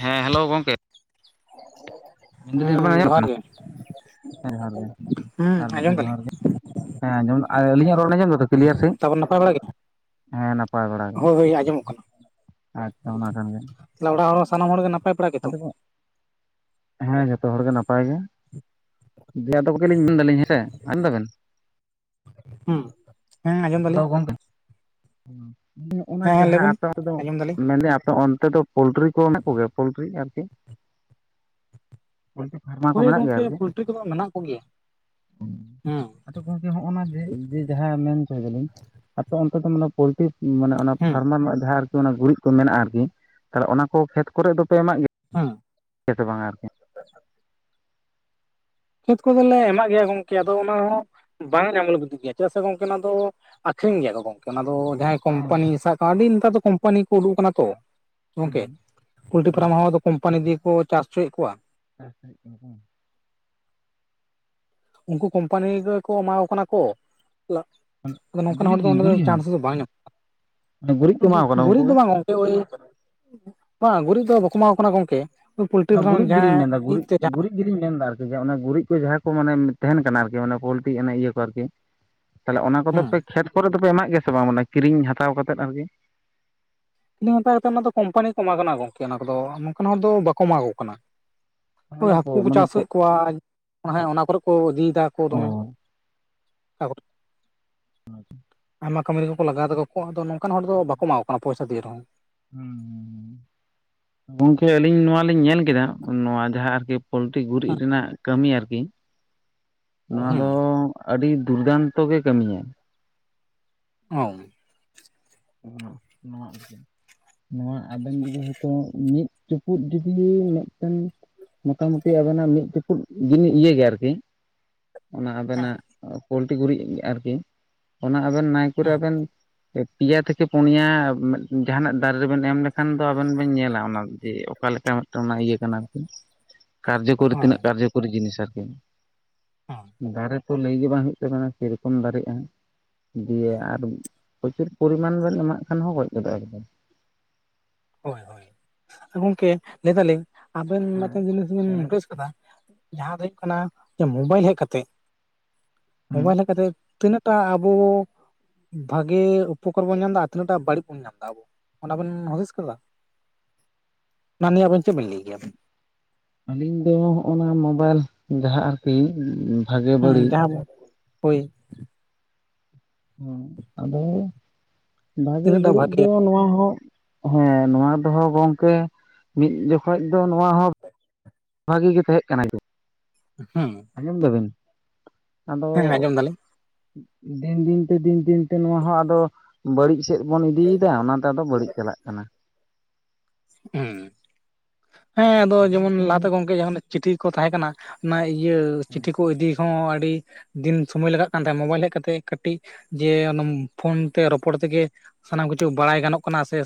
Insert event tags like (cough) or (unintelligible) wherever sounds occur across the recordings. ᱦᱮᱸ ᱦᱮᱞᱳ ᱜᱚᱝᱠᱮ ᱢᱮᱱ ᱫᱟᱞᱤᱧ ᱨᱚᱲ ᱦᱩᱸ ᱡᱚᱦᱟᱨ ᱟᱡᱚᱢᱚᱜ ᱜᱮ ᱠᱟᱱᱟ ᱦᱮᱸ ᱡᱚᱦᱟᱨ ᱜᱮ, ᱦᱩᱸ ᱟᱨ ᱢᱤᱫ ᱟᱸᱡᱚᱢ ᱫᱷᱟᱣ ᱫᱟᱞᱤᱧ ᱡᱚᱦᱟᱨ ᱜᱮ᱾ ᱦᱮᱸ ᱟᱸᱡᱚᱢ ᱟᱹᱞᱤᱧᱟᱜ ᱨᱚᱲ ᱟᱸᱡᱚᱢ ᱫᱟᱛᱚ ᱠᱞᱤᱭᱟᱨ ᱥᱟᱹᱦᱤᱡ? ᱛᱟᱯᱚᱨ ᱱᱟᱯᱟᱭ ᱵᱟᱲᱟ ᱜᱮ ᱦᱮᱸ ᱱᱟᱯᱟᱭ ᱵᱟᱲᱟ ᱜᱮ ᱦᱳᱭ ᱦᱳᱭ ᱟᱸᱡᱚᱢᱚᱜ ᱟᱪᱪᱷᱟ ᱚᱱᱟ ᱠᱟᱱ ᱜᱮ᱾ ᱛᱟᱦᱞᱮ ᱚᱲᱟᱜ ᱦᱚᱲ ᱥᱟᱱᱟᱢ ᱦᱚᱲ ᱜᱮ ᱱᱟᱯᱟᱭ ᱵᱟᱲᱟ ᱜᱮᱛᱚ ᱟᱫᱚ ᱦᱮᱸ ᱡᱚᱛᱚ ᱦᱚᱲ ᱜᱮ ᱱᱟᱯᱟᱭ ᱜᱮ ᱫᱮ ᱟᱫᱚ ᱠᱚᱜᱮᱞᱤᱧ ᱢᱮᱱᱫᱟᱞᱤᱧ ᱦᱮᱸᱥᱮ ᱟᱸᱡᱚᱢ ᱫᱟ ᱵᱤᱱ ᱦᱩᱸ ᱦᱮᱸ ᱟᱸᱡᱚᱢ ᱫᱟᱞᱤᱧ ᱚᱱᱮ ᱚᱱᱟ ᱦᱮᱸ ᱦᱮᱸ ᱡᱟᱦᱟᱸ ᱞᱟᱹᱭᱵᱮᱱ ᱟᱯᱮ ᱚᱱᱛᱮ ᱫᱚ ᱟᱸᱡᱚᱢ ᱫᱟᱞᱤᱧ ᱢᱮᱱᱮᱫ ᱟ ᱚᱱᱛᱮ ᱫᱚ ᱯᱳᱞᱴᱨᱤ ᱠᱚ ᱢᱮᱱᱟᱜ ᱠᱚᱜᱮᱭᱟ ᱯᱳᱞᱴᱨᱤ ᱟᱨᱠᱤ (unintelligible) ᱯᱳᱞᱴᱤ (unintelligible) ᱯᱷᱟᱨᱢᱟ ᱠᱚ ᱦᱳᱭ ᱢᱮᱱᱟᱜ ᱜᱮᱭᱟ ᱜᱚᱝᱠᱮ ᱟᱨᱠᱤ ᱯᱳᱞᱴᱨᱤ ᱠᱚᱫᱚ ᱢᱮᱱᱟᱜ ᱠᱚᱜᱮᱭᱟ ᱦᱩᱸ ᱟᱫᱚ ᱜᱚᱢᱠᱮ ᱦᱚᱜᱼ ᱱᱟ ᱡᱮ ᱡᱮ ᱡᱟᱦᱟᱸ ᱢᱮᱱ ᱦᱚᱪᱚᱭ ᱫᱟᱞᱤᱧ ᱟᱯᱮ ᱚᱱᱛᱮ ᱫᱚᱼᱼ ᱯᱳᱚᱞᱴᱨᱤ ᱢᱟᱱᱮ ᱚᱱᱟ ᱦᱩᱸ ᱯᱷᱟᱨᱢᱟᱨ ᱨᱮᱱᱟᱜ ᱡᱟᱦᱟᱸ ᱟᱨᱠᱤ ᱚᱱᱟ ᱜᱩᱨᱤᱡ ᱠᱚ ᱢᱮᱱᱟᱜᱼᱟ ᱟᱨᱠᱤ ᱛᱟᱦᱚᱞᱮ ᱚᱱᱟ ᱠᱚ ᱠᱷᱮᱛ ᱠᱚᱨᱮ ᱫᱚᱯᱮ ᱮᱢᱟᱜ ᱜᱮᱭᱟ ᱦᱮᱸ ᱪᱮᱛᱮ ᱵᱟᱝᱟ ᱟᱨᱠᱤ (unintelligible) ᱠᱷᱮᱛ ᱠᱚᱫᱚᱞᱮ ᱮᱢᱟᱜ ᱜᱮᱭᱟ ᱜᱚᱝᱠᱮ ᱟᱫᱚ ᱚᱱᱟ ᱦᱚᱸ ᱵᱟᱝ ᱧᱟᱢᱚᱜ ᱜᱮᱭᱟ ᱪᱮᱫᱟᱜ ᱥᱮ ᱜᱚᱝᱠᱮ ᱚᱱᱟ ᱫᱚ ᱟᱠᱷᱨᱤᱧ ᱜᱮᱭᱟ ᱠᱚ ᱜᱚᱝᱠᱮ ᱚᱱᱟ ᱫᱚ ᱡᱟᱦᱟᱸᱭ ᱠᱳᱢᱯᱟᱱᱤ ᱥᱟᱵ ᱠᱟᱜ ᱟᱹᱰᱤ ᱱᱮᱛᱟᱨ ᱫᱚ ᱠᱳᱢᱯᱟᱱᱤ ᱠᱚ ᱩᱰᱩᱠ ᱟᱠᱟᱱᱟ ᱛᱚ ᱜᱚᱝᱠᱮ ᱦᱩᱸ ᱯᱳᱞᱴᱨᱤ ᱯᱷᱟᱨᱢ ᱦᱩᱸ ᱦᱚᱸ ᱟᱫᱚ ᱠᱚᱢᱯᱟᱱᱤ ᱫᱤᱭᱮ ᱠᱚ ᱪᱟᱥ ᱪᱚᱭᱮᱫ ᱠᱚᱣᱟ (inaudible) ᱩᱱᱠᱩ ᱠᱚᱢᱯᱟᱱᱤ ᱜᱮᱠᱚ ᱮᱢᱟ ᱠᱚ ᱠᱟᱱᱟ ᱠᱚ ᱟᱫᱚ ᱱᱚᱝᱠᱟᱱ ᱜᱩᱨᱤᱡ ᱦᱚᱲ ᱫᱚ ᱚᱸᱰᱮ ᱜᱩᱨᱤᱡ ᱫᱚ ᱦᱚᱸ ᱪᱟᱱᱥ ᱫᱚ ᱵᱟᱝ ᱜᱩᱨᱤᱡ ᱠᱚ ᱧᱟᱢᱚᱜᱼᱟ ᱮᱢᱟᱣ ᱠᱚ ᱠᱟᱱᱟ ᱩᱱᱠᱩ ᱜᱩᱨᱤᱡ ᱫᱚ ᱜᱮ ᱵᱟᱝᱼᱟ ᱳᱭ ᱵᱟᱝ ᱜᱩᱨᱤᱡ ᱫᱚ ᱵᱟᱠᱚ ᱮᱢᱟ ᱠᱚ ᱠᱟᱱᱟ ᱜᱚᱢᱠᱮ ᱯᱳᱞᱴᱨᱤ ᱚᱱᱟ ᱯᱷᱟᱨᱢ ᱜᱩᱨᱤᱡ ᱜᱮᱞᱤᱧ ᱡᱟᱦᱟᱸ ᱢᱮᱱᱫᱟ ᱤᱡ ᱜᱩᱨᱤᱡ ᱛᱮ ᱡᱟᱦᱟᱸ ᱜᱩᱨᱤᱡ ᱜᱮᱞᱤᱧ ᱢᱮᱱ ᱮᱫᱟ ᱟᱨᱠᱤ ᱡᱮ ᱚᱱᱟ ᱜᱩᱨᱤᱡ ᱠᱚ ᱡᱟᱦᱟᱸ ᱠᱚ ᱢᱟᱱᱮ ᱛᱟᱦᱮᱱ ᱠᱟᱱᱟ ᱟᱨᱠᱤ ᱢᱟᱱᱮ ᱯᱳᱞᱴᱤ ᱮᱱᱮ ᱤᱭᱟᱹ ᱠᱚ ᱟᱨᱠᱤ ᱛᱟᱦᱚᱞᱮ ᱚᱱᱟ ᱠᱚᱫᱚᱯᱮ ᱦᱮᱸ ᱠᱷᱮᱛ ᱠᱚᱨᱮ ᱫᱚᱯᱮ ᱮᱢᱟᱜ ᱜᱮᱭᱟ ᱥᱮ ᱵᱟᱝ ᱢᱟᱱᱮ ᱠᱤᱨᱤᱧ ᱦᱟᱛᱟᱣ ᱠᱟᱛᱮᱫ ᱟᱨᱠᱤ ᱥᱩᱫᱩ ᱚᱱᱠᱟ ᱜᱮᱛᱚ ᱚᱱᱟ ᱫᱚ ᱠᱚᱢᱯᱟᱱᱤ ᱠᱚ ᱮᱢᱟ ᱠᱚ ᱠᱟᱱᱟ ᱜᱚᱢᱠᱮ ᱚᱱᱟ ᱠᱚᱫᱚ ᱱᱚᱝᱠᱟᱱ ᱦᱚᱲ ᱫᱚ ᱵᱟᱠᱚ ᱮᱢᱟ ᱟᱠᱚ ᱠᱟᱱᱟ ᱩᱭ ᱚᱱᱟ ᱦᱟᱹᱠᱩ ᱯᱚ ᱠᱚ ᱢᱟᱱᱮ ᱪᱟᱥ ᱯᱚ ᱞᱮᱫ ᱠᱚᱣᱟ ᱦᱮᱸ ᱚᱱᱟ ᱠᱚᱨᱮᱫ ᱠᱚ ᱤᱫᱤᱭ ᱫᱟ ᱠᱚ ᱚ ᱫᱚᱢᱮ (inaudible) (inaudible) ᱟᱭᱢᱟ ᱠᱟᱹᱢᱤ ᱨᱮᱠᱚ ᱞᱟᱜᱟᱣ ᱫᱟᱠᱚ ᱟᱫᱚ ᱱᱚᱝᱠᱟᱱ ᱦᱚᱲ ᱫᱚ ᱵᱟᱠᱚ ᱮᱢᱟᱣ ᱠᱟᱱᱟ ᱯᱚᱭᱥᱟ ᱫᱤᱭ ᱨᱮᱦᱚᱸ ᱦᱩᱸ ᱜᱚᱝᱠᱮ ᱟᱹᱞᱤᱧ ᱱᱚᱣᱟᱞᱤᱧ ᱧᱮᱞ ᱠᱮᱫᱟ ᱱᱚᱣᱟ ᱡᱟᱦᱟᱸ ᱟᱨᱠᱤ ᱯᱳᱞᱴᱤ ᱜᱩᱨᱤᱡ ᱨᱮᱱᱟᱜ ᱠᱟᱹᱢᱤ ᱟᱨᱠᱤ ᱱᱚᱣᱟ ᱦᱮᱸ ᱫᱚ ᱟᱹᱰᱤ ᱫᱩᱨᱫᱟᱱᱛᱚ ᱜᱮ ᱠᱟᱹᱢᱤᱭᱟᱭ ᱚᱭ ᱱᱚᱣᱟ ᱟᱨᱠᱤ ᱱᱚᱣᱟ ᱟᱵᱮᱱ ᱡᱩᱫᱤ ᱦᱚᱭᱛᱳ ᱢᱤᱫ ᱪᱩᱯᱩᱫ ᱡᱩᱫᱤ ᱢᱤᱫᱴᱟᱝ ᱢᱚᱴᱟ ᱢᱩᱴᱤ ᱟᱵᱤᱱᱟᱜ ᱢᱤᱫ ᱪᱩᱯᱩᱫ ᱡᱩᱫᱤ ᱤᱭᱟᱹᱭ ᱜᱮᱭᱟ ᱟᱨᱠᱤ ᱚᱱᱟ ᱟᱵᱮᱱᱟᱜ ᱯᱳᱞᱴᱤ ᱜᱩᱨᱤᱡ ᱟᱨᱠᱤ ᱚᱱᱟ ᱟᱵᱮᱱ ᱱᱟᱭᱠᱚᱨᱮ ᱟᱵᱮᱱ ᱯᱮᱭᱟ ᱛᱷᱮᱠᱮ ᱯᱩᱱᱭᱟ ᱡᱟᱦᱟᱱᱟᱜ ᱫᱟᱨᱮ ᱨᱮᱵᱮᱱ ᱮᱢ ᱞᱮᱠᱷᱟᱱ ᱫᱚ ᱟᱵᱮᱱ ᱵᱮᱱ ᱧᱮᱞᱟ ᱚᱱᱟ ᱡᱮ ᱚᱠᱟ ᱞᱮᱠᱟ ᱢᱤᱫ ᱴᱟᱝ ᱤᱭᱟᱹ ᱠᱟᱱᱟ ᱟᱨᱠᱤ (inaudible) ᱠᱟᱨᱡᱚᱠᱚᱨᱤ ᱦᱳᱭ ᱛᱤᱱᱟᱹᱜ ᱠᱟᱨᱡᱚᱠᱚᱨᱤ ᱡᱤᱱᱤᱥ ᱟᱨᱠᱤ ᱰᱟᱭᱨᱮᱠᱴ ᱛᱚ ᱞᱟᱹᱭ ᱜᱮ ᱵᱟᱝ ᱦᱩᱭᱩᱜ ᱛᱟᱵᱤᱱᱟ ᱥᱮᱨᱚᱠᱚᱢ ᱫᱟᱨᱮᱜᱼᱟ ᱫᱤᱭᱮ ᱟᱨ ᱯᱨᱪᱩᱨ ᱯᱚᱨᱤᱢᱟᱱ ᱵᱮᱱ ᱮᱢᱟᱜ ᱠᱷᱟᱱ ᱦᱚᱸ ᱜᱚᱡ ᱜᱚᱫᱚᱜᱼᱟ ᱮᱠᱫᱚᱢ ᱦᱳᱭ ᱦᱳᱭ ᱜᱚᱢᱠᱮ ᱞᱟᱹᱭ ᱫᱟᱞᱤᱧ ᱟᱵᱮᱱ ᱢᱤᱫᱴᱮᱱ ᱡᱤᱱᱤᱥ ᱵᱮᱱ ᱦᱮᱸ ᱱᱳᱴᱤᱥ ᱠᱟᱫᱟ ᱡᱟᱦᱟᱸ ᱫᱚ ᱦᱩᱭᱩᱜ ᱠᱟᱱᱟ ᱡᱮ ᱢᱳᱵᱟᱭᱤᱞ ᱦᱮᱡ ᱠᱟᱛᱮ ᱦᱮᱸ ᱢᱳᱵᱟᱭᱤᱞ ᱦᱮᱡ ᱠᱟᱛᱮ ᱛᱤᱱᱟᱹᱜᱴᱟᱜ ᱟᱵᱚ ᱵᱷᱟᱜᱤ ᱩᱯᱚᱠᱟᱨ ᱵᱚᱱ ᱧᱟᱢ ᱮᱫᱟ ᱟᱨ ᱛᱤᱱᱟᱹᱜ ᱴᱟᱜ ᱵᱟᱹᱲᱤᱡ ᱵᱚᱱ ᱧᱟᱢ ᱮᱫᱟ ᱟᱵᱚ ᱚᱱᱟᱵᱤᱱ ᱦᱩᱫᱤᱥᱼᱼ ᱚᱱᱟ ᱱᱤᱭᱟ. ᱟᱵᱤᱱ ᱪᱮᱫ ᱵᱤᱱ ᱞᱟᱹᱭ ᱜᱮᱭᱟᱵᱤᱱ ᱟᱹᱞᱤᱧ ᱫᱚ ᱱᱚᱜ ᱱᱚᱣᱟ ᱢᱳᱵᱟᱭᱤᱞ ᱡᱟᱦᱟᱸ ᱟᱨᱠᱤ ᱵᱷᱟᱜᱮ ᱦᱩᱸ ᱵᱟᱹᱲᱤᱡ ᱡᱟᱦᱟᱸ ᱦᱳᱭ ᱦᱩᱸ ᱟᱫᱚ ᱵᱷᱟᱜᱮ ᱛᱤᱱᱟᱹᱜ ᱴᱟ ᱵᱟᱹᱲᱤᱡ ᱫᱚ ᱵᱷᱟᱜᱮᱭᱟ ᱱᱚᱣᱟ ᱦᱚᱸ ᱦᱮᱸ ᱱᱚᱣᱟ ᱫᱚᱦᱚ ᱜᱚᱝᱠᱮ ᱢᱤᱫ ᱡᱚᱠᱷᱚᱡ ᱫᱚ ᱱᱚᱣᱟ ᱦᱚᱸ ᱵᱷᱟᱜᱤ ᱜᱤ ᱛᱟᱦᱮᱸᱜ ᱠᱟᱱᱟᱭ ᱦᱩᱸ ᱟᱸᱡᱚᱢ ᱫᱟᱵᱤᱱ ᱟᱫᱚ ᱟᱸᱡᱚᱢ ᱫᱟᱞᱤᱧ ᱫᱤᱱ ᱫᱤᱱ ᱛᱮ ᱫᱤᱱ ᱫᱤᱱ ᱛᱮ ᱱᱚᱣᱟ ᱦᱚᱸ ᱟᱫᱚ ᱵᱟᱹᱲᱤᱡ ᱥᱮᱫ ᱵᱚᱱ ᱤᱫᱤᱭᱮᱫᱟ ᱚᱱᱟ ᱛᱮ ᱟᱫᱚ ᱵᱟᱹᱲᱤᱡ ᱪᱟᱞᱟᱜ ᱠᱟᱱᱟ ᱦᱩᱸ ᱦᱮᱸ ᱟᱫᱚ ᱡᱮᱢᱚᱱ ᱞᱟᱦᱟ ᱛᱮ ᱜᱚᱝᱠᱮ ᱪᱤᱴᱷᱤ ᱠᱚ ᱛᱟᱦᱮᱸ ᱠᱟᱱᱟ ᱚᱱᱟ ᱤᱭᱟᱹ ᱪᱤᱴᱷᱤ ᱠᱩ ᱤᱫᱤ ᱦᱚᱸ ᱟᱹᱰᱤ ᱫᱤᱱ ᱥᱩᱢᱟᱹᱭ ᱞᱟᱜᱟᱜ ᱠᱟᱱ ᱛᱟᱦᱮᱸ ᱢᱳᱵᱟᱭᱤᱞ ᱦᱮᱡ ᱠᱟᱛᱮᱜ ᱠᱟᱹᱴᱤᱡ ᱡᱮ ᱱᱚᱢ ᱯᱷᱚᱱ ᱛᱮ ᱨᱚᱯᱚᱲ ᱛᱮᱜᱮ ᱥᱟᱱᱟᱢ ᱠᱤᱪᱷᱩ ᱵᱟᱲᱟᱭ ᱜᱟᱱᱚᱜ ᱠᱟᱱᱟ ᱥᱮ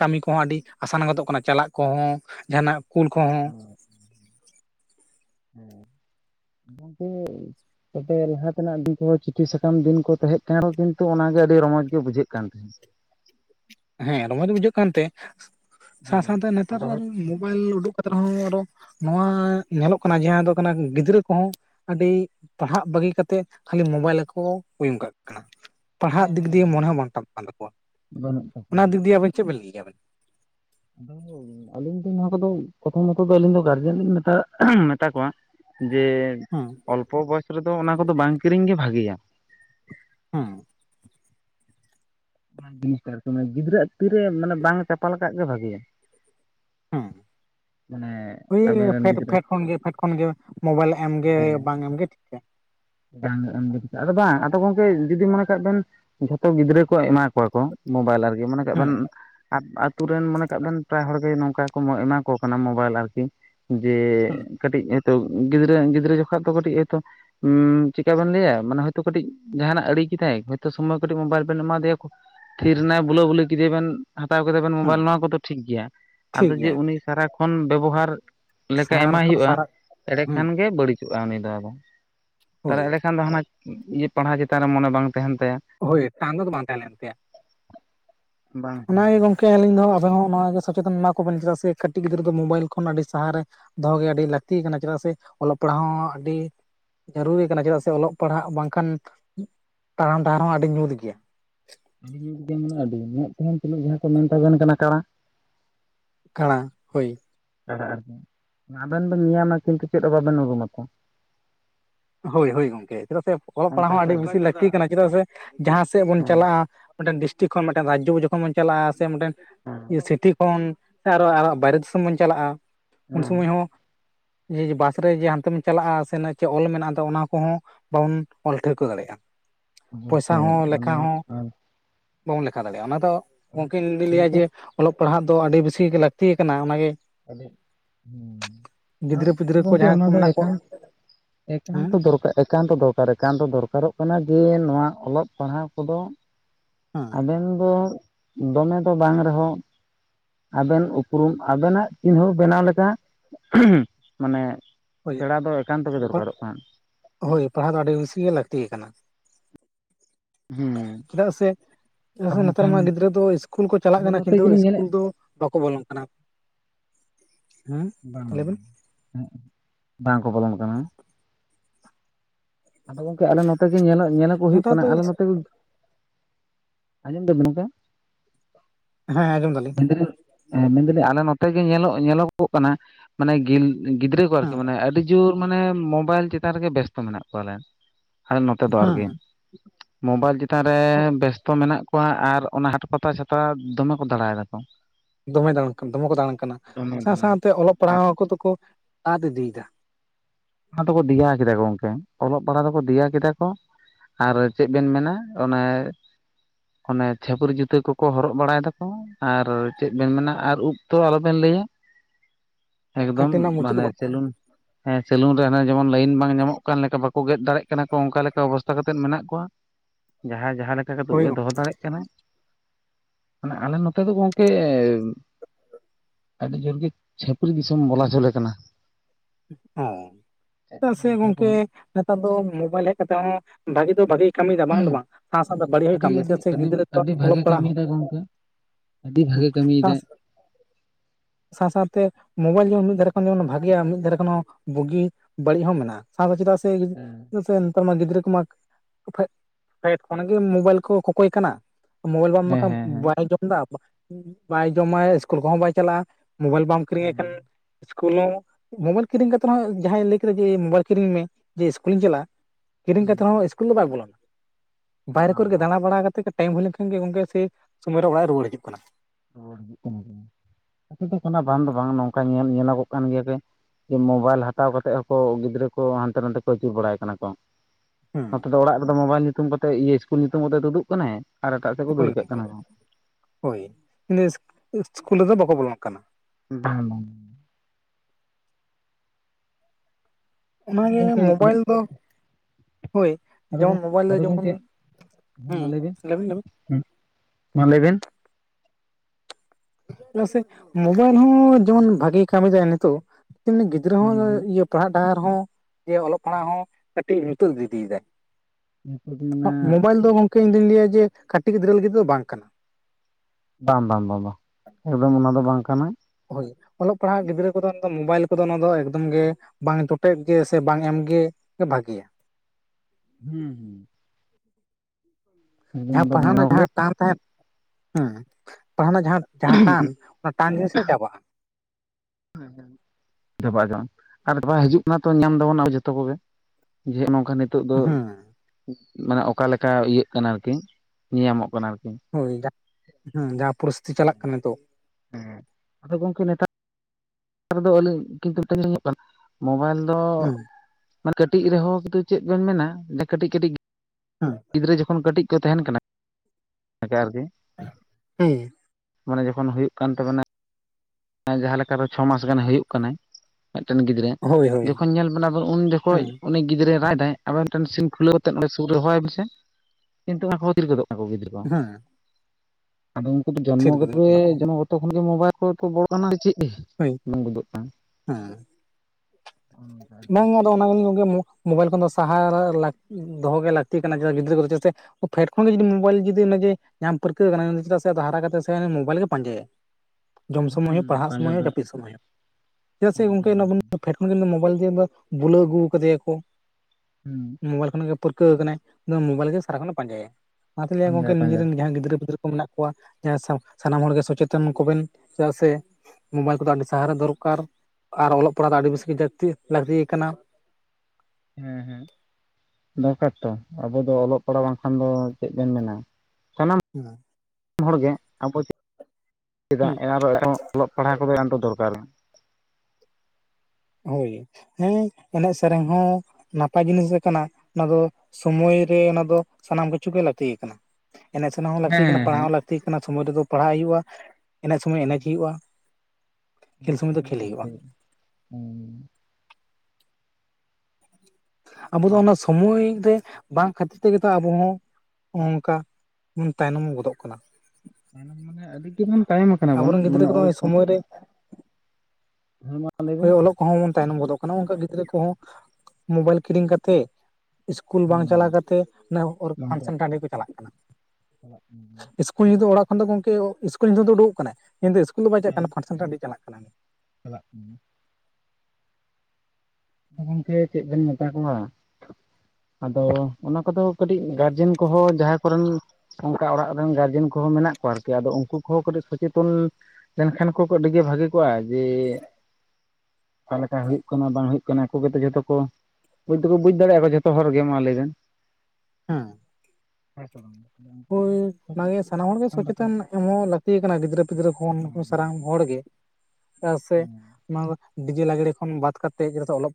ᱠᱟᱹᱢᱤ ᱠᱚᱦᱚᱸ ᱟᱹᱰᱤ ᱟᱥᱟᱱ ᱜᱚᱫᱚᱜ ᱠᱟᱱᱟ ᱪᱟᱞᱟᱜ ᱠᱚᱦᱚᱸ ᱡᱟᱦᱟᱱᱟᱜ ᱠᱩᱞ ᱠᱚᱦᱚᱸ ᱦᱮᱸ (inaudible) ᱜᱚᱢᱠᱮ ᱛᱚᱵᱮ ᱞᱟᱦᱟ ᱛᱮᱱᱟᱜ ᱫᱤᱱ ᱠᱚᱦᱚ ᱪᱤᱴᱷᱤ ᱥᱟᱠᱟᱢ ᱫᱤᱱ ᱠᱚ ᱛᱟᱦᱮᱸ ᱠᱟᱱᱟ ᱠᱤᱱᱛᱩ ᱚᱱᱟᱜᱮ ᱟᱹᱰᱤ ᱨᱚᱢᱚᱚᱡ ᱜᱮ ᱵᱩᱡᱷᱟᱹᱜ ᱠᱟᱱ ᱛᱟᱦᱮᱱ ᱦᱮᱸ ᱨᱚᱢᱚᱡᱽ ᱵᱩᱡᱷᱟᱹᱜ ᱠᱟᱱᱛᱮ ᱥᱟᱶ ᱦᱮᱸ ᱥᱟᱶᱛᱮ ᱱᱮᱛᱟᱨ ᱟᱫᱚ (unintelligible) ᱢᱳᱵᱟᱭᱤᱞ ᱩᱰᱩᱠ (inaudible) ᱨᱮᱦᱚᱸ ᱟᱛᱚ ᱱᱚᱣᱟ ᱧᱮᱞᱚᱜ ᱠᱟᱱᱟ ᱡᱟᱦᱟᱸ ᱫᱚ ᱠᱟᱱᱟ ᱜᱤᱫᱽᱨᱟᱹ ᱠᱚᱦᱚᱸ ᱟᱹᱰᱤ ᱯᱟᱲᱦᱟᱜ ᱵᱟᱹᱜᱤ ᱠᱟᱛᱮᱫ ᱠᱷᱟᱹᱞᱤ ᱢᱳᱵᱟᱭᱤᱞ ᱜᱮᱠᱚ ᱩᱭᱩᱝ ᱠᱟᱜ ᱠᱟᱱᱟ, ᱯᱟᱲᱦᱟᱜ ᱦᱮᱸ ᱫᱤᱠ ᱦᱮᱸ ᱫᱤᱭᱮ ᱢᱚᱱᱮ ᱦᱚᱸ ᱦᱮᱸ ᱵᱟᱝ ᱴᱟᱜ ᱠᱟᱱ ᱛᱟᱠᱚᱣᱟ ᱵᱟᱹᱱᱩᱜ ᱚᱱᱟ ᱛᱟᱠᱚᱣᱟ ᱫᱤᱠ ᱫᱤᱭᱮ ᱟᱵᱮᱱ ᱪᱮᱫ ᱵᱮᱱ ᱞᱟᱹᱭᱮᱜ-ᱟ ᱵᱮᱱ ᱟᱫᱚ ᱟᱹᱞᱤᱧ ᱫᱚ ᱱᱚᱣᱟ ᱠᱚᱫᱚ ᱯᱨᱚᱛᱷᱚᱢᱚᱛᱚ ᱫᱚ ᱟᱹᱞᱤᱧ ᱫᱚ ᱜᱟᱨᱡᱮᱱ ᱞᱤᱧ ᱢᱮᱛᱟ ᱠᱚᱣᱟ ᱡᱮ ᱦᱩᱸ ᱚᱞᱯᱚ ᱵᱚᱭᱚᱥ ᱨᱮᱫᱚ ᱚᱱᱟ ᱠᱚ ᱫᱚ ᱵᱟᱝ ᱠᱤᱨᱤᱧ ᱜᱮ ᱵᱷᱟᱜᱮᱭᱟ ᱦᱮᱸ ᱚᱱᱟ ᱡᱤᱱᱤᱥ ᱟᱨᱠᱤ ᱜᱤᱫᱽᱨᱟᱹ ᱟᱜ ᱛᱤᱨᱮ ᱢᱟᱱᱮ ᱵᱟᱝ ᱪᱟᱯᱟᱞ ᱠᱟᱜ ᱜᱮ ᱵᱷᱟᱜᱮᱭᱟ ᱦᱮᱸ ᱢᱟᱱᱮ ᱦᱳᱭ ᱟᱵᱮᱱ ᱨᱮᱱ ᱯᱷᱮᱰ ᱜᱤᱫᱽᱨᱟᱹ ᱯᱷᱮᱰ ᱠᱷᱚᱱ ᱜᱮ ᱯᱷᱮᱰ ᱠᱷᱚᱱ ᱜᱮ ᱢᱳᱵᱟᱭᱤᱞ ᱮᱢᱜᱮ ᱦᱮᱸ ᱵᱟᱝ ᱮᱢᱜᱮ ᱴᱷᱤᱠ ᱟᱫᱚ ᱵᱟᱝ ᱟᱫᱚ ᱜᱚᱢᱠᱮ ᱡᱩᱫᱤ ᱢᱚᱱᱮ ᱠᱷᱟᱡ ᱵᱮᱱ ᱡᱷᱚᱛᱚ ᱜᱤᱫᱽᱨᱟᱹ ᱠᱚ ᱮᱢᱟ ᱠᱚᱣᱟ ᱠᱚ ᱢᱳᱵᱟᱭᱤᱞ ᱟᱨᱠᱤ ᱢᱚᱱᱮ ᱠᱟᱜ ᱦᱮᱸ ᱵᱮᱱ ᱟᱵ ᱟᱵ ᱟᱛᱩ ᱨᱮᱱ ᱢᱚᱱᱮ ᱠᱟᱜ ᱵᱮᱱ ᱯᱨᱟᱭ ᱦᱚᱲᱜ ᱱᱚᱝᱠᱟ ᱠᱚ ᱮᱢᱟ ᱠᱚ ᱠᱟᱱᱟ ᱢᱳᱵᱟᱭᱤᱞ ᱟᱨᱠᱤ ᱡᱮ ᱦᱮᱸ ᱠᱟᱹᱴᱤᱡ ᱦᱚᱭᱛᱳ ᱜᱤᱫᱽᱨᱟᱹ ᱜᱤᱫᱽᱨᱟᱹ ᱡᱚᱠᱷᱚᱡ ᱛᱚ ᱠᱟᱹᱴᱤᱡ ᱮᱛᱚ ᱩᱸ ᱪᱤᱠᱟ ᱵᱚᱱ ᱞᱟᱹᱭᱟ ᱢᱟᱱᱮ ᱦᱚᱭᱛᱚ ᱠᱟᱹᱴᱤᱡ ᱡᱟᱦᱟᱱᱟᱜ ᱟᱹᱲᱤ ᱠᱮᱛᱟᱭ ᱦᱚᱭᱛᱚ ᱥᱚᱢᱵᱷᱚ ᱠᱟᱹᱴᱤᱡ ᱢᱳᱵᱟᱭᱤᱞ ᱵᱮᱱ ᱮᱢᱟ ᱫᱮᱭᱟ ᱠᱩ, ᱛᱷᱤᱨᱱᱟᱭ ᱵᱩᱞᱟᱹ ᱵᱩᱞᱤ ᱠᱤᱫᱤ ᱵᱮᱱ ᱦᱟᱛᱟᱣ ᱠᱮᱫᱟ ᱵᱮᱱ ᱦᱮᱸ ᱢᱳᱵᱟᱭᱤᱞ ᱱᱚᱣᱟ ᱠᱚᱫᱚ ᱴᱷᱤᱠ ᱜᱤᱭᱟ ᱟᱫᱚ ᱴᱷᱤᱠ ᱡᱮ ᱜᱮᱭᱟ ᱩᱱᱤ ᱥᱟᱨᱟ ᱠᱷᱚᱱ ᱵᱮᱵᱚᱦᱟᱨ ᱞᱮᱠᱟ ᱥᱟᱨ ᱮᱢᱟᱭ ᱦᱩᱭᱩᱜ-ᱟ ᱥᱟᱨᱟᱜ ᱮᱲᱮ ᱦᱮᱸ ᱠᱷᱟᱱ ᱜᱮ ᱵᱟᱹᱲᱤᱡᱚᱜ-ᱟ ᱩᱱᱤ ᱫᱚ ᱟᱫᱚ ᱦᱳᱭ ᱛᱟᱦᱚᱞᱮ ᱮᱲᱮ ᱠᱷᱟᱱ ᱫᱚ ᱦᱟᱱᱟ ᱤᱭᱟᱹ ᱯᱟᱸᱲᱦᱟᱣ ᱪᱮᱛᱟᱱ ᱨᱮ ᱢᱚᱱᱮ ᱵᱟᱝ ᱛᱟᱦᱮᱸᱱ ᱛᱟᱭᱟ ᱦᱳᱭ ᱴᱟᱱ ᱫᱚ ᱟᱫᱚ ᱵᱟᱝ ᱛᱟᱦᱮᱞᱮᱱ ᱛᱟᱭᱟ ᱵᱟᱝ ᱚᱱᱟ ᱛᱟᱦᱮᱱ ᱜᱮ ᱛᱟᱭᱟ ᱜᱚᱝᱠᱮ ᱟᱞᱤᱧ ᱫᱚ ᱟᱵᱤᱱ ᱦᱚᱸ ᱱᱚᱶᱟ ᱜᱮ (unintelligible) ᱥᱚᱪᱮᱛᱚᱱ ᱮᱢᱟ ᱠᱚᱵᱮᱱ ᱪᱮᱫᱟᱜ ᱥᱮ ᱠᱟᱹᱴᱤᱡ ᱜᱤᱫᱽᱨᱟᱹ ᱫᱚ ᱢᱳᱵᱟᱭᱤᱞ ᱠᱷᱚᱱ ᱟᱹᱰᱤ ᱥᱟᱦᱟ ᱨᱮ ᱫᱚᱦᱚ ᱜᱮ ᱟᱹᱰᱤ ᱞᱟᱹᱠᱛᱤ ᱠᱟᱱᱟ ᱪᱮᱫᱟᱜ ᱥᱮ ᱚᱞᱚᱜ ᱯᱟᱲᱦᱟᱜ ᱦᱚᱸ ᱟᱹᱰᱤ ᱡᱟᱹᱨᱩᱨᱤ ᱠᱟᱱᱟ ᱪᱮᱫᱟᱜ ᱥᱮ ᱚᱞᱚᱜ ᱯᱟᱲᱦᱟᱜ ᱵᱟᱝᱠᱷᱟᱱ ᱛᱟᱲᱟᱢ ᱰᱟᱦᱟᱨ ᱦᱚᱸ ᱟᱹᱰᱤ ᱧᱩᱛ ᱜᱮᱭᱟ (inaudible) ᱢᱮᱸᱫ ᱛᱟᱦᱮᱱ ᱛᱩᱞᱩᱡ ᱡᱟᱸᱠᱩ ᱢᱮᱱᱛᱟ ᱵᱚᱱ ᱠᱟᱱᱟ ᱠᱟᱬᱟ ᱠᱟᱬᱟ ᱦᱳᱭ ᱠᱟᱱᱟ ᱟᱨ ᱦᱩ ᱟᱵᱮᱱ ᱵᱮᱱ ᱧᱟᱢᱟ ᱠᱤᱱᱛᱩ ᱪᱮᱫ ᱦᱚᱸ ᱵᱟᱵᱮᱱ ᱩᱨᱩᱢᱟ ᱛᱚ ᱦᱳᱭ ᱦᱳᱭ ᱜᱚᱝᱠᱮ ᱪᱮᱫᱟᱜ ᱥᱮ ᱚᱞᱚᱜ ᱯᱟᱲᱦᱟᱜ ᱚᱱᱠᱟ ᱦᱚᱸ ᱥᱮ ᱟᱹᱰᱤ ᱵᱮᱥᱤ ᱞᱟᱹᱠᱛᱤ ᱠᱟᱱᱟ ᱪᱮᱫᱟᱜ ᱥᱮ ᱡᱟᱦᱟᱸ ᱥᱮᱫ ᱵᱚᱱ ᱦᱮᱸ ᱪᱟᱞᱟᱜ-ᱟ ᱢᱤᱫᱴᱮᱱ ᱰᱤᱥᱴᱤᱠ ᱠᱷᱚᱱ ᱢᱤᱫᱴᱮᱱ ᱨᱟᱡᱽᱡᱚ ᱡᱚᱠᱷᱚᱱ ᱵᱚᱱ ᱪᱟᱞᱟᱜ-ᱟ ᱥᱮ ᱢᱤᱫᱴᱮᱱ ᱦᱮᱸ ᱤᱭᱟᱹ ᱥᱮᱴᱤᱠ ᱠᱷᱚᱱ ᱟᱨᱚ ᱟᱨᱚ ᱵᱟᱭᱨᱮ ᱫᱤᱥᱚᱢ ᱵᱚᱱ ᱪᱟᱞᱟᱜ-ᱟ ᱩᱱ ᱦᱮᱸ ᱥᱚᱢᱚᱭ ᱦᱚᱸ ᱡᱮ ᱡᱮ ᱵᱟᱥ ᱨᱮ ᱡᱮ ᱦᱟᱱᱛᱮ ᱵᱚᱱ ᱪᱟᱞᱟᱜ-ᱟ ᱥᱮ ᱱᱚᱛᱮ ᱚᱞ ᱢᱮᱱᱟᱜ-ᱟ (unintelligible) ᱚᱱᱟ ᱠᱚᱦᱚᱸ ᱵᱚᱱ ᱚᱞ ᱴᱷᱟᱹᱣᱠᱟᱹ ᱫᱟᱲᱮᱭᱟᱜ-ᱟ ᱯᱚᱭᱥᱟ ᱦᱮᱸᱥᱮ ᱦᱚᱸ ᱞᱮᱠᱷᱟ ᱚᱱᱟ ᱦᱚᱸ ᱵᱚᱱ ᱞᱮᱠᱷᱟ ᱫᱟᱲᱮᱭᱟᱜ-ᱟ ᱚᱱᱟ ᱫᱚ ᱜᱚᱝᱠᱮ ᱤᱧ ᱞᱟᱹᱭᱮ ᱟ ᱚᱱᱛᱮ ᱡᱮ ᱚᱞᱚᱜ ᱯᱟᱲᱦᱟᱜ ᱫᱚ ᱟᱹᱰᱤ ᱵᱮᱥᱤ ᱞᱟᱹᱠᱛᱤ ᱠᱟᱱᱟ ᱚᱱᱟᱜᱮ, (unintelligible) ᱦᱩ ᱜᱤᱫᱽᱨᱟᱹ ᱯᱤᱫᱽᱨᱟᱹ ᱠᱚ ᱜᱚᱢᱠᱮ ᱡᱟᱦᱟᱸᱭ ᱚᱱᱟ ᱠᱚ ᱫᱚ ᱢᱮᱱᱟᱜ ᱠᱚ ᱮᱠᱟᱞ ᱦᱮᱸ ᱮᱠᱟᱱᱛᱚ ᱫᱚᱨᱠᱟᱨ ᱮᱠᱟᱱᱛᱚ ᱫᱚᱨᱠᱟᱨ ᱮᱠᱟᱱᱛᱚ ᱫᱚᱨᱠᱟᱨᱚᱜ ᱠᱟᱱᱟ ᱡᱮ ᱱᱚᱣᱟ ᱚᱞᱚᱜ ᱯᱟᱲᱦᱟᱣ ᱠᱚᱫᱚ- ᱦᱮᱸ ᱟᱵᱮᱱ ᱫᱚ ᱫᱚᱢᱮ ᱫᱚ ᱵᱟᱝ ᱨᱮᱦᱚᱸ ᱟᱵᱮᱱ ᱩᱯᱨᱩᱢ ᱟᱵᱮᱱᱟᱜ ᱪᱤᱱᱦᱟᱹᱣ ᱵᱮᱱᱟᱣ ᱞᱮᱠᱟ (unintelligible) ᱢᱟᱱᱮ ᱦᱳᱭ ᱥᱮᱬᱟ ᱫᱚ ᱮᱠᱟᱱᱛᱚ ᱜᱮ ᱫᱚᱨᱠᱟᱨᱚᱜ ᱠᱟᱱᱟ ᱦᱳᱭ ᱯᱟᱲᱦᱟᱣ ᱫᱚ ᱟᱹᱰᱤ ᱵᱮᱥᱤ ᱜᱮ ᱞᱟᱹᱠᱛᱤ ᱠᱟᱱᱟ ᱦᱩᱸ ᱪᱮᱫᱟᱜ ᱥᱮ ᱪᱮᱫᱟᱜ ᱥᱮ ᱱᱮᱛᱟᱨ ᱢᱟ ᱜᱤᱫᱽᱨᱟᱹ ᱫᱚ ᱤᱥᱠᱩᱞ ᱠᱚ ᱪᱟᱞᱟᱜ ᱟᱞᱮ ᱠᱟᱱᱟ ᱱᱚᱛᱮ ᱠᱤᱱᱛᱩ ᱜᱮᱞᱤᱧ ᱧᱮᱞᱮᱫ ᱤᱥᱠᱩᱞ ᱫᱚ ᱵᱟᱠᱚ ᱵᱚᱞᱚᱱ ᱠᱟᱱᱟ ᱦᱮᱸ (unintelligible) ᱵᱟᱝ ᱵᱟᱝ ᱞᱟᱹᱭ ᱵᱮᱱ ᱵᱟᱝᱠᱚ ᱵᱚᱞᱚᱱ ᱠᱟᱱᱟ ᱟᱫᱚ ᱜᱚᱝᱠᱮ ᱟᱞᱮ ᱱᱚᱛᱮ ᱜᱮ ᱧᱮᱞ ᱧᱮᱞᱮ ᱠᱚ ᱦᱩᱭᱩᱜ ᱱᱮᱛᱟᱨ ᱠᱟᱱᱟ ᱫᱚ ᱟᱞᱮ ᱱᱚᱛᱮ ᱟᱸᱡᱚᱢ ᱫᱟᱵᱮ ᱱᱚᱝᱠᱮ ᱦᱮᱸ ᱟᱡᱚᱢ ᱫᱟᱞᱤᱧ ᱮ ᱢᱮᱱᱫᱟᱞᱤᱧ ᱟᱞᱮ ᱱᱚᱛᱮ ᱜᱮ ᱧᱮᱞ ᱧᱮᱞᱚᱜᱚᱜ ᱠᱟᱱᱟ ᱢᱟᱱᱮ ᱜᱤᱫᱽᱨᱟᱹ ᱠᱚ ᱦᱮᱸ ᱟᱨᱠᱤ ᱢᱟᱱᱮ ᱟᱹᱰᱤ ᱡᱳᱨ ᱢᱟᱱᱮ ᱢᱳᱵᱟᱭᱤᱞ ᱪᱮᱛᱟᱱ ᱨᱮᱜᱮ ᱵᱮᱥᱛᱚ ᱢᱮᱱᱟᱜ ᱠᱚᱣᱟ ᱟᱨ ᱱᱚᱛᱮ ᱫᱚ ᱦᱮᱸ ᱟᱨᱜᱤ ᱢᱳᱵᱟᱭᱤᱞ ᱪᱮᱛᱟᱱ ᱨᱮ ᱵᱮᱥᱛᱚ ᱢᱮᱱᱟᱜ ᱠᱚᱣᱟ ᱠᱚᱶᱟ ᱟᱨ ᱚᱱᱟ ᱦᱟᱴ ᱯᱟᱛᱟ ᱪᱷᱟᱛᱟ ᱫᱚᱢᱮ ᱠᱚ ᱫᱟᱬᱟᱭ ᱮᱫᱟ ᱠᱚ ᱫᱚᱢᱮ ᱫᱟᱬᱟᱱ ᱠᱟᱱᱟ ᱫᱚᱢᱮ ᱠᱚ ᱫᱟᱬᱟᱱ ᱠᱟᱱᱟ ᱫᱚᱢᱮ ᱥᱟᱶ ᱫᱚᱢᱮ ᱥᱟᱶᱛᱮ ᱚᱞᱚᱜ ᱟᱨ ᱯᱟᱲᱦᱟᱣ ᱠᱚᱫᱚᱠᱚ ᱟᱫ ᱤᱫᱤᱭᱮᱫᱟ ᱟᱫᱚ ᱠᱚ ᱫᱮᱭᱟ ᱠᱮᱫᱟ ᱠᱚ ᱜᱚᱢᱠᱮ ᱚᱞᱚᱜ ᱯᱟᱲᱦᱟᱜ ᱫᱚᱠᱚ ᱫᱮᱭᱟ ᱠᱮᱫᱟ ᱠᱚ ᱟᱨ ᱪᱮᱫ ᱵᱮᱱ ᱢᱮᱱᱟ ᱚᱱᱮ ᱚᱱᱮ ᱪᱷᱟᱹᱯᱟᱹᱨᱤ ᱡᱩᱛᱟᱹ ᱠᱚᱠᱚ ᱦᱚᱨᱚᱜ ᱵᱟᱲᱟᱭ ᱫᱟᱠᱚ ᱟᱨ ᱪᱮᱫ ᱵᱮᱱ ᱢᱮᱱᱟ ᱟᱨ ᱩᱵ ᱛᱚ ᱟᱞᱚᱵᱮᱱ ᱞᱟᱹᱭᱟ ᱠᱟᱴᱤᱱ ᱨᱮᱱᱟᱜ ᱢᱩᱪᱟᱹᱫ ᱫᱚ ᱵᱟᱱᱩᱜᱼᱟ ᱥᱮᱞᱩᱱᱝ ᱨᱮ ᱦᱟᱱᱮ ᱡᱮᱢᱚᱱ ᱞᱟᱭᱤᱱ ᱵᱟᱝ ᱧᱟᱢᱚᱜ ᱠᱟᱱ ᱞᱮᱠᱟ ᱵᱟᱠᱚ ᱜᱮᱫ ᱫᱟᱲᱮᱭᱟᱜ ᱠᱟᱱᱟ ᱠᱚ ᱚᱱᱠᱟ ᱞᱮᱠᱟ ᱚᱵᱚᱥᱛᱟ ᱠᱟᱛᱮᱫ ᱢᱮᱱᱟᱜ ᱠᱚᱣᱟ ᱡᱟᱦᱟᱭᱸ ᱡᱟᱦᱟᱸ ᱞᱮᱠᱟ ᱠᱟᱛᱮᱜ ᱦᱳᱭ ᱩᱵ ᱮ ᱫᱚᱦᱚ ᱫᱟᱲᱮᱜ ᱠᱟᱱᱟ ᱟᱞᱮ ᱱᱚᱛᱮ ᱫᱚ ᱜᱚᱝᱠᱮ ᱟᱹᱰᱤ ᱡᱳᱨ ᱜᱮ ᱪᱷᱟᱹᱯᱟᱹᱨᱤ ᱫᱤᱥᱚᱢ ᱵᱚᱞᱟ ᱪᱚᱞᱮ ᱠᱟᱱᱟ ᱚᱸ ᱪᱮᱫᱟᱜ ᱥᱮ ᱢᱮᱛᱟ ᱜᱚᱝᱠᱮ ᱠᱚᱣᱟ ᱱᱮᱛᱟᱨ ᱫᱚ ᱢᱳᱵᱟᱭᱤᱞ ᱦᱮᱡ ᱠᱟᱛᱮ ᱦᱚᱸ ᱵᱷᱟᱜᱤ ᱫᱚ ᱵᱷᱟᱜᱤ ᱠᱟᱹᱢᱤᱭᱮᱫᱟ ᱵᱟᱝ ᱫᱚ ᱵᱟᱝ ᱥᱟᱶ ᱥᱟᱶ ᱫᱚ ᱵᱟᱹᱲᱤᱡ ᱮ ᱟᱹᱰᱤ ᱠᱟᱹᱢᱤᱭᱮᱫᱟ ᱟᱹᱰᱤ ᱪᱮᱫᱟᱜ ᱥᱮ ᱟᱹᱰᱤ ᱜᱤᱫᱽᱨᱟᱹ ᱫᱚ ᱟᱹᱰᱤ ᱚᱞᱚᱜ ᱵᱷᱟᱜᱮ ᱯᱟᱲᱦᱟᱜ ᱠᱟᱹᱢᱤᱭᱮᱫᱟᱭ ᱜᱚᱝᱠᱮ ᱟᱹᱰᱤ ᱦᱚᱸ ᱵᱷᱟᱜᱮ ᱥᱟᱶ ᱠᱟᱹᱢᱤᱭᱮᱫᱟᱭ ᱥᱟᱶ ᱥᱟᱶᱟᱛᱮ ᱢᱳᱵᱟᱭᱤᱞ ᱡᱮᱢᱚᱱ ᱢᱤᱫ ᱫᱷᱟᱨᱮ ᱠᱷᱚᱱ ᱡᱮᱢᱚᱱ ᱵᱷᱟᱜᱮᱭᱟ ᱢᱤᱫ ᱫᱷᱟᱨᱮ ᱠᱷᱚᱱ ᱦᱚᱸ ᱵᱩᱜᱤ ᱵᱟᱹᱲᱤᱡ ᱦᱚᱸ ᱢᱮᱱᱟᱜᱼᱟ ᱟᱫᱚ ᱪᱮᱫᱟᱜ ᱥᱮ ᱦᱮᱸ (unintelligible) ᱱᱮᱛᱟᱨ ᱢᱟ ᱜᱤᱫᱽᱨᱟᱹ ᱠᱚᱢᱟᱠ ᱯᱷᱮᱰ ᱯᱷᱮᱰ ᱠᱷᱚᱱ ᱜᱮ ᱢᱳᱵᱟᱭᱤᱞ ᱠᱚ ᱠᱚᱠᱚᱭ ᱠᱟᱱᱟ ᱢᱳᱵᱟᱭᱤᱞ ᱵᱟᱢ ᱮᱢᱟᱭ ᱦᱮᱸ ᱠᱷᱟᱱ ᱦᱮᱸ ᱵᱟᱲᱤᱡᱚᱜ ᱡᱚᱜ ᱵᱟ ᱵᱟ ᱵᱟᱭ ᱡᱚᱢᱟ ᱤᱥᱠᱩᱞ ᱠᱚᱦᱚᱸ ᱵᱟᱭ ᱪᱟᱞᱟᱜᱼᱟ ᱢᱳᱵᱟᱭᱤᱞ ᱵᱟᱢ ᱠᱤᱨᱤᱧ ᱟᱭ ᱦᱮᱸ ᱠᱷᱟᱱ ᱤᱥᱠᱩᱞ ᱦᱚᱸ ᱢᱳᱵᱟᱭᱮᱞ ᱠᱤᱨᱤᱧ ᱠᱟᱛᱮᱫ ᱦᱚᱸ ᱡᱟᱦᱟᱸᱭ ᱮ ᱞᱟᱹᱭ ᱠᱮᱫᱟ ᱡᱮ ᱢᱳᱵᱟᱭᱤᱞ ᱠᱤᱨᱤᱧᱤᱧ ᱢᱮ ᱡᱮ ᱤᱥᱠᱩᱞ ᱤᱧ ᱪᱟᱞᱟᱜᱼᱟ ᱠᱤᱨᱤᱧ ᱦᱮᱸ ᱠᱟᱛᱮᱫ ᱦᱚᱸ ᱤᱥᱠᱩᱞ ᱫᱚ ᱵᱟᱭ ᱵᱚᱞᱚᱱᱟ ᱵᱟᱭᱨᱮ ᱵᱟᱝ ᱠᱚᱨᱮ ᱜᱮ ᱵᱟᱝ ᱫᱟᱬᱟᱵᱟᱲᱟ ᱠᱟᱛᱮ ᱴᱟᱭᱤᱢ ᱦᱩᱭ ᱞᱮᱱᱠᱷᱟᱱ ᱜᱮ ᱜᱚᱝᱠᱮ ᱥᱮ ᱥᱚᱢᱚᱭ ᱨᱮ ᱚᱲᱟᱜ ᱮ ᱨᱩᱣᱟᱹᱲ ᱦᱤᱡᱩᱜ ᱠᱟᱱᱟ (unintelligible) ᱠᱷᱟᱛᱟ ᱫᱚ ᱠᱟᱱᱟ ᱵᱟᱝ ᱫᱚ ᱵᱟᱝ ᱱᱚᱝᱠᱟ ᱧᱮᱞ ᱧᱮᱞᱚᱜ ᱠᱟᱱ ᱜᱮᱭᱟ ᱥᱮ ᱡᱮ ᱢᱳᱵᱟᱭᱤᱞ ᱦᱟᱛᱟᱣ ᱠᱟᱛᱮᱜ ᱦᱚᱸᱠᱚ ᱜᱤᱫᱽᱨᱟᱹ ᱠᱚ ᱦᱟᱱᱛᱮ ᱱᱟᱛᱮ ᱠᱚ ᱟᱹᱪᱩᱨ ᱵᱟᱲᱟᱭ ᱠᱟᱱᱟ ᱠᱚ᱾ ᱦᱩᱸ ᱱᱚᱛᱮ ᱫᱚ ᱚᱲᱟᱜ ᱨᱮᱫᱚ ᱢᱳᱵᱟᱭᱤᱞ ᱧᱩᱛᱩᱢ ᱠᱟᱛᱮ ᱤᱥᱠᱩᱞ ᱧᱩᱛᱩᱢ ᱠᱟᱛᱮ ᱛᱩᱫᱩᱜ ᱠᱟᱱᱟᱭ ᱟᱨ ᱮᱴᱟᱜ ᱥᱮᱫ ᱠᱚ ᱦᱳᱭ ᱫᱟᱹᱲ ᱠᱟᱜ ᱜᱚᱝᱠᱮ ᱠᱟᱱᱟ ᱠᱚ ᱦᱳᱭ ᱤᱥᱠᱩᱞ ᱨᱮᱫᱚ ᱵᱟᱠᱚ ᱵᱚᱞᱚᱱ ᱠᱟᱱᱟ ᱵᱟᱝ ᱵᱟᱝ ᱟᱫᱚ ᱚᱱᱟᱜᱮ ᱜᱚᱝᱠᱮ ᱢᱳᱵᱟᱭᱤᱞ ᱫᱚ ᱦᱳᱭ ᱟᱫᱚ ᱡᱮᱢᱚᱱ ᱢᱳᱵᱟᱭᱤᱞ ᱫᱚ ᱟᱫᱚ ᱡᱮᱢᱚᱱ ᱜᱚᱝᱠᱮ ᱦᱩ ᱢᱟ ᱞᱟᱹᱭ ᱵᱤᱱ ᱞᱟᱵᱤᱫ ᱞᱟᱵᱤᱫ ᱢᱟ ᱞᱟᱹᱭᱵᱤᱱ ᱪᱮᱫᱟᱜ ᱥᱮ ᱢᱳᱵᱟᱭᱤᱞ ᱦᱚᱸ ᱡᱮᱢᱚᱱ ᱵᱷᱟᱜᱤᱭ ᱠᱟᱹᱢᱤ ᱫᱟ ᱱᱤᱛᱚᱜ ᱜᱤᱫᱽᱨᱟᱹ ᱦᱚᱸ ᱤᱭᱟᱹ ᱯᱟᱲᱦᱟᱜ ᱰᱟᱦᱟᱨ ᱦᱚᱸ ᱡᱮ ᱚᱞᱚᱜ ᱯᱟᱲᱦᱟᱜ ᱦᱚᱸ ᱠᱟᱹᱴᱤᱡ ᱧᱩᱛᱟᱛ ᱤᱫᱤᱭᱮᱫᱟᱭ ᱱᱤᱛᱚᱜ ᱢᱟᱱᱮ ᱢᱳᱵᱟᱭᱤᱞ ᱫᱚ ᱜᱚᱝᱠᱮ ᱤᱧᱫᱩᱧ ᱞᱟᱹᱭ ᱟ ᱡᱮ ᱠᱟᱹᱴᱤᱡ ᱜᱤᱫᱽᱨᱟᱹ ᱞᱟᱹᱜᱤᱫ ᱫᱚ ᱵᱟᱝ ᱠᱟᱱᱟ ᱵᱟᱝ ᱵᱟᱝ ᱵᱟᱝ ᱵᱟᱝ ᱮᱠᱫᱚᱢ ᱚᱱᱟ ᱫᱚ ᱵᱟᱝ ᱠᱟᱱᱟ ᱦᱳᱭ ᱚᱞᱚᱜ ᱯᱟᱲᱦᱟᱜ ᱜᱤᱫᱽᱨᱟᱹ ᱠᱚᱫᱚ ᱢᱳᱵᱟᱭᱤᱞ ᱠᱚᱫᱚ ᱱᱚᱶᱟ ᱫᱚ ᱮᱠᱫᱚᱢ ᱜᱮ ᱵᱟᱝ ᱴᱩᱚᱴᱮᱫ ᱜᱮ ᱥᱮ ᱵᱟᱝ ᱮᱢᱜᱮ ᱵᱷᱟᱜᱮᱭᱟ ᱦᱩᱸ ᱦᱩᱸ ᱡᱟᱦᱟᱸ ᱯᱟᱲᱦᱟᱣ ᱮᱠᱫᱚᱢ ᱫᱚ ᱨᱮᱱᱟᱜ ᱡᱟᱦᱟᱸ ᱴᱟᱱ ᱛᱟᱦᱮᱸ ᱦᱮᱸ ᱯᱟᱲᱦᱟᱣ ᱨᱮᱱᱟᱜ ᱡᱟᱦᱟᱸ ᱡᱟᱦᱟᱸ ᱴᱟᱱ (unintelligible) ᱡᱤᱱᱤᱥ ᱦᱚᱸ ᱪᱟᱵᱟᱜᱼᱟ᱾ (unintelligible) ᱵᱟᱭ ᱡᱚᱝ ᱟᱨ (unintelligible) ᱦᱤᱡᱩᱜ ᱠᱟᱱᱟ ᱛᱚ ᱧᱟᱢ ᱫᱟᱵᱚᱱᱟ ᱟᱵᱚ ᱡᱚᱛᱚ ᱠᱚᱜᱮ ᱡᱮᱜ ᱱᱚᱝᱠᱟ ᱱᱤᱛ ᱱᱤᱛᱚᱜ ᱫᱚ ᱦᱮᱸ ᱢᱟᱱᱮ ᱚᱠᱟ ᱞᱮᱠᱟ ᱤᱭᱟᱹᱜ ᱠᱟᱱᱟ ᱟᱨᱠᱤ ᱧᱮᱧᱟᱢᱚᱜ ᱠᱟᱱᱟ ᱠᱤᱱ? ᱦᱳᱭ ᱦᱮᱸ ᱡᱟᱦᱟᱸ ᱯᱚᱨᱤᱥᱛᱷᱤᱛᱤ ᱪᱟᱞᱟᱜ ᱠᱟᱱᱟ ᱱᱤᱛᱚᱜ ᱦᱮᱸ ᱟᱫᱚ ᱜᱚᱝᱠᱮ ᱱᱮᱛᱟ ᱱᱮᱛᱟᱨ ᱫᱚ ᱟᱹᱞᱤᱧ ᱠᱤᱱᱛᱩ ᱢᱤᱫ ᱴᱤᱡ ᱠᱟᱱᱟ ᱢᱳᱵᱟᱭᱤᱞ ᱫᱚ ᱦᱮᱸ ᱢᱟ ᱠᱟᱹᱴᱤᱡ ᱨᱮᱦᱚᱸ ᱠᱤᱱᱛᱩ ᱪᱮᱫ ᱵᱮᱱ ᱢᱮᱱᱟ ᱠᱟᱹᱴᱤᱡ ᱠᱟᱹᱴᱤᱡ ᱦᱮᱸ ᱜᱤᱫᱽᱨᱟᱹ ᱡᱚᱠᱷᱚᱱ ᱠᱟᱹᱴᱤᱡ ᱠᱚ ᱛᱟᱦᱮᱱ ᱠᱟᱱᱟ᱾ ᱟᱪᱷᱟ ᱟᱨᱠᱤ (unintelligible) ᱦᱮᱸ ᱢᱟᱱᱮ ᱡᱚᱠᱷᱚᱱ ᱦᱩᱭᱩᱜ ᱠᱟᱱ ᱛᱟᱵᱚᱱᱟ ᱡᱟᱦᱟᱸ ᱞᱮᱠᱟ ᱫᱚ ᱪᱷᱚ ᱢᱟᱥ ᱜᱟᱱᱮ ᱦᱩᱭᱩᱜ ᱠᱟᱱᱟᱭ, ᱢᱤᱫᱴᱮᱱ ᱜᱤᱫᱽᱨᱟᱹ ᱦᱳᱭ ᱦᱳᱭ ᱡᱚᱠᱷᱚᱱ ᱧᱮᱞ ᱢᱮᱱᱟᱵ ᱩᱱ ᱡᱚᱠᱷᱚᱱ ᱦᱮᱸ ᱩᱱᱤ ᱜᱤᱫᱽᱨᱟᱹᱭ ᱨᱟᱜ ᱮᱫᱟᱭ ᱟᱵᱚ ᱢᱤᱫᱴᱮᱱ ᱥᱤᱢ ᱠᱷᱩᱞᱟᱹᱣ ᱠᱟᱛᱮᱫ ᱥᱩᱨ ᱨᱮ ᱦᱚᱦᱚ ᱟᱭ ᱵᱤᱱ ᱥᱮ ᱠᱤᱱᱛᱩ ᱚᱱᱟ ᱠᱚ (unintelligible) ᱜᱚᱫᱚᱜ ᱠᱟᱱᱟ ᱠᱚ ᱜᱤᱫᱽᱨᱟᱹ ᱠᱚ ᱦᱮᱸ ᱟᱫᱚ ᱩᱱᱠᱩ ᱫᱚ ᱛᱷᱤᱨ ᱜᱤᱰᱤᱜ ᱡᱚᱱᱢᱚᱛᱮ ᱠᱟᱱᱟ ᱠᱚ ᱡᱚᱱᱢᱚᱜᱚᱛᱚ ᱠᱷᱚᱱᱜᱮ ᱢᱳᱵᱟᱭᱤᱞ ᱠᱚ ᱵᱚᱲ ᱠᱟᱱᱟ ᱪᱮᱫ ᱮᱫᱦᱮ ᱦᱳᱭ ᱵᱟᱝ ᱜᱚᱫᱚᱜ ᱠᱟᱱ ᱦᱮᱸ ᱱᱚᱼᱚᱭ ᱱᱚᱝᱠᱟ ᱟᱨᱠᱤ ᱵᱟᱝ (unintelligible) ᱟᱫᱚ ᱚᱱᱟᱜᱮ ᱢᱚ ᱢᱳᱵᱟᱭᱤᱞ ᱠᱷᱚᱱ ᱫᱚ ᱥᱟᱦᱟ ᱞᱟᱼᱞᱟ ᱫᱚᱦᱚ ᱜᱮ ᱞᱟᱹᱠᱛᱤ ᱠᱟᱱᱟ ᱜᱤᱫᱽᱨᱟᱹ ᱠᱚᱫᱚ ᱪᱮᱫ ᱥᱮ ᱯᱷᱮᱰ ᱠᱷᱚᱱᱜ ᱜᱮ ᱡᱩᱫ ᱢᱳᱵᱟᱭᱤᱞ ᱡᱩᱫᱤ ᱚᱱᱟ ᱡᱮ ᱧᱟᱢ ᱯᱟᱹᱨᱠᱟᱹᱣ ᱠᱟᱱᱟ ᱪᱮᱫᱟᱜ ᱥᱮ ᱦᱟᱨᱟ ᱠᱟᱛᱮᱫ ᱥᱮ ᱢᱳᱵᱟᱭᱤᱞ ᱜᱮ ᱯᱟᱸᱡᱟᱭᱟ᱾ (inaudible) ᱡᱚᱢ ᱦᱩᱸ ᱥᱚᱢᱚᱭ ᱦᱚᱸ ᱯᱟᱲᱦᱟᱜ ᱯᱟᱸᱡᱟ ᱥᱚᱢᱚᱭ ᱫᱚ ᱡᱟᱹᱯᱤᱫ ᱥᱚᱢᱚᱭ ᱦᱚ ᱪᱮᱫᱟᱜ ᱥᱮ ᱜᱚᱝᱠᱮ ᱮᱠᱫᱚᱢ ᱚᱱᱟ ᱯᱷᱮᱰ ᱯᱷᱳ ᱢᱳᱵᱟᱭᱤᱞ ᱡᱮ ᱵᱩᱞᱟᱹᱣ ᱟᱹᱜᱩ ᱟᱠᱟᱫᱮᱭᱟ ᱠᱚ ᱦᱮᱸ ᱢᱳᱵᱟᱭᱤᱞ ᱠᱷᱱᱟᱜ ᱜᱮ ᱯᱟᱹᱨᱠᱟᱹᱣ ᱠᱟᱱᱟᱭ ᱢᱚᱵᱟᱭᱤᱞ ᱜᱮ ᱥᱟᱨᱟ ᱠᱷᱚᱱ ᱯᱟᱸᱡᱟᱭᱟ᱾ᱚᱱᱟ ᱛᱮᱧ ᱞᱟᱹᱭ ᱟ ᱯᱟᱸᱡᱟ ᱜᱚᱝᱠᱮ ᱯᱟᱸᱡᱟ ᱱᱤᱡᱮᱨᱱ ᱡᱟᱦᱟᱸᱭ ᱜᱤᱫᱽᱨᱟᱹ ᱯᱤᱫᱽᱨᱟᱹ ᱢᱮᱱᱟᱜ ᱠᱚᱣᱟ ᱮᱸ ᱥᱟᱶ ᱥᱟᱱᱟᱢ ᱦᱚᱲ ᱜᱮ ᱥᱚᱪᱮᱛᱚᱱ ᱮᱢ ᱠᱚᱵᱮᱱ ᱪᱮᱫᱟᱜ ᱥᱮ ᱢᱳᱵᱟᱭᱤᱞ ᱠᱚᱫᱚ ᱟᱹᱰᱤ ᱥᱟᱦᱟᱨᱮ ᱫᱚᱨᱠᱟᱨ ᱟᱨ ᱚᱞᱚᱜ ᱯᱟᱲᱦᱟᱜ ᱫᱚ ᱟᱹᱰᱤ ᱵᱮᱥᱤ ᱜᱮ ᱡᱟᱹᱠᱛᱤ ᱞᱟᱹᱠᱛᱤ ᱠᱟᱱᱟ ᱦᱮᱸ ᱦᱮᱸ ᱫᱚᱨᱠᱟᱨ ᱛᱚ ᱟᱵᱚ ᱫᱚ ᱚᱞᱚᱜ ᱯᱟᱲᱦᱟᱜ ᱵᱟᱝᱠᱷᱟᱱ ᱫᱚ ᱪᱮᱫ ᱵᱮᱱ ᱢᱮᱱᱟ ᱥᱟᱱᱟᱢ (inaudible) ᱥᱟᱱᱟᱢ ᱦᱚᱲ ᱜᱮ ᱟᱵᱚ ᱦᱮᱸ (unintelligible) ᱚᱞᱚᱜ ᱯᱟᱲᱦᱟᱜ ᱠᱚᱫᱚ ᱫᱚ ᱫᱚᱨᱠᱟᱨ ᱦᱳᱭ ᱦᱮᱸ ᱮᱱᱮᱡ ᱥᱮᱨᱮᱧ ᱦᱚᱸ ᱱᱟᱯᱟᱭ ᱡᱤᱱᱤᱥ ᱠᱟᱱᱟ ᱚᱱᱟ ᱫᱚ ᱥᱳᱢᱚᱭ ᱨᱮ ᱚᱱᱟ ᱫᱚ ᱥᱟᱱᱟᱢ ᱠᱤᱪᱷᱩ ᱜᱮ ᱞᱟᱹᱛᱤ ᱠᱟᱱᱟ᱾ ᱮᱱᱮᱡ ᱥᱮ ᱦᱚᱸ ᱞᱟᱹᱠᱛᱤ ᱠᱟᱱᱟ ᱦᱮᱸ ᱯᱟᱲᱦᱟᱜ ᱦᱮᱸ ᱦᱚᱸ ᱞᱟᱹᱠᱛᱤ ᱠᱟᱱᱟ ᱥᱚᱢᱚᱭ ᱨᱮᱫᱚ ᱯᱟᱲᱦᱟᱜ ᱦᱩᱭᱩᱜ-ᱟ᱾ ᱮᱱᱮᱡ ᱥᱚᱢᱚᱭ ᱮᱱᱮᱡ ᱦᱮᱸ ᱦᱩᱭᱩᱜᱼᱟ᱾ ᱠᱷᱮᱞ ᱥᱚᱢᱚᱭ ᱫᱚ ᱠᱷᱮᱞ ᱦᱩᱭᱩᱜᱼᱟ (unintelligible) (unintelligible) ᱟᱵᱚ ᱫᱚ ᱚᱱᱟ ᱥᱚᱢᱚᱭ ᱫᱚ ᱵᱟᱝ ᱠᱷᱟᱹᱛᱤᱨ ᱛᱮᱜᱮ ᱛᱚ ᱟᱵᱚ ᱦᱚᱸ ᱱᱚᱝᱠᱟ ᱵᱚᱱ ᱛᱟᱭᱱᱚᱢ ᱜᱚᱫᱚᱜ ᱠᱟᱱᱟ ᱢᱟᱱᱮ ᱟᱹᱰᱤᱜᱮᱵᱚᱱ ᱛᱟᱭᱚᱢ ᱠᱟᱱᱟ ᱵᱚᱱ ᱟᱵᱚᱨᱮᱱ ᱜᱤᱫᱽᱨᱟᱹ ᱢᱟᱱᱮ ᱠᱚᱫᱚ ᱚᱞ ᱠᱚ ᱥᱚᱢᱚᱭ ᱨᱮ ᱢᱟ ᱞᱟᱹᱭ ᱵᱮᱱ ᱚᱞᱚᱜ ᱠᱚᱦᱚᱸ ᱵᱚᱱ ᱛᱟᱭᱱᱚᱢ ᱜᱚᱫᱚᱜ ᱠᱟᱱᱟ, ᱚᱱᱠᱟ ᱜᱤᱫᱽᱨᱟᱹ ᱠᱚᱦᱚᱸ ᱢᱳᱵᱟᱭᱤᱞ ᱠᱤᱨᱤᱧ ᱠᱟᱛᱮᱜ ᱤᱥᱠᱩᱞ ᱵᱟᱝ ᱦᱮᱸ ᱪᱟᱞᱟᱣ ᱠᱟᱛᱮ ᱜᱚᱝᱠᱮ ᱯᱷᱟᱱᱥᱮᱱ ᱴᱟᱺᱰᱤ ᱠᱚ ᱪᱟᱞᱟᱜ ᱠᱟᱱᱟ᱾ (unintelligible) ᱤᱥᱠᱩᱞ ᱫᱚ ᱚᱲᱟᱜ ᱠᱷᱚᱱ ᱫᱚ ᱜᱚᱢᱠᱮ ᱤᱥᱠᱩᱞ ᱧᱩᱛᱩᱢ ᱛᱮ ᱩᱰᱩᱠ ᱠᱟᱱᱟᱭ ᱤᱥᱠᱩᱞ ᱫᱚ ᱵᱟᱭ ᱪᱟᱜ ᱠᱟᱱᱟ ᱦᱮᱸ ᱠᱟᱱᱟᱭ ᱯᱷᱟᱱᱥᱮᱱ ᱴᱟᱺᱰᱤ ᱪᱟᱞᱟ ᱠᱟᱱᱟ ᱪᱟᱞᱟᱜ (unintelligible) ᱜᱚᱝᱠᱮ ᱪᱮᱫ ᱵᱮᱱ ᱢᱮᱛᱟ ᱠᱚᱣᱟ ᱟᱫᱚ ᱚᱱᱟ ᱠᱚᱫᱚ ᱠᱟᱹᱴᱤᱡ ᱜᱟᱨᱡᱮᱱ ᱠᱚᱦᱚᱸ ᱡᱟᱦᱟᱸᱭ ᱠᱚᱨᱮᱱ ᱚᱝᱠᱟ ᱚᱲᱟᱜ ᱨᱮᱱ ᱜᱟᱨᱡᱮᱱ ᱠᱚᱦᱚᱸ ᱢᱮᱱᱟᱜ ᱠᱚᱣᱟ ᱟᱨᱠᱤ ᱟᱫᱚ ᱩᱱᱠᱩ ᱠᱚᱦᱚᱸ ᱠᱟᱹᱴᱤᱡ ᱥᱚᱪᱮᱛᱚᱱ ᱞᱮᱠᱷᱟᱱ ᱠᱚ ᱠᱚ ᱟᱹᱰᱤ ᱜᱮ ᱵᱷᱟᱜᱤ ᱠᱚᱜᱼᱟ ᱡᱮ ᱚᱠᱟᱞᱮᱠᱟ ᱦᱩᱭᱩᱜ ᱠᱟᱱᱟ ᱵᱟᱝ ᱦᱩᱭᱩᱜ ᱠᱟᱱᱟ ᱠᱟᱱᱟ ᱠᱚ ᱟᱠᱚ ᱛᱮᱜᱮ ᱡᱷᱚᱛᱚ ᱠᱚ ᱵᱩᱡᱽ ᱛᱮᱠᱚ ᱵᱩᱡᱽ ᱫᱟᱲᱮᱭᱟᱜᱼᱟ ᱠᱚ ᱡᱷᱚᱛᱚ ᱦᱚᱲ ᱜᱮ ᱢᱟ ᱞᱟᱹᱭ ᱵᱮᱱ ᱦᱚᱸ ᱦᱮᱸ ᱥᱮ ᱵᱟᱝ ᱚᱱᱟᱜᱮ ᱥᱟᱱᱟᱢ ᱦᱚᱲᱜᱮ ᱥᱚᱪᱮᱛᱚᱱ (unintelligible) ᱮᱢᱚᱜ ᱞᱟᱹᱠᱛᱤ ᱠᱟᱱᱟ ᱜᱤᱫᱽᱨᱟᱹ ᱯᱤᱫᱽᱨᱟᱹ ᱠᱚ ᱵᱚᱱ ᱥᱟᱨᱟᱢ ᱦᱚᱲ ᱜᱮ ᱪᱮᱫᱟᱜ ᱥᱮ ᱵᱟᱝ ᱰᱤᱡᱮ ᱞᱟᱜᱽᱲᱮ ᱠᱷᱚᱱ ᱵᱟᱫ ᱠᱟᱛᱮ ᱡᱮ ᱚᱞᱚᱜ ᱯᱟᱲᱦᱟᱜ